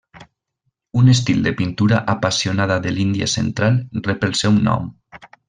Un estil de pintura apassionada de l'Índia central rep el seu nom.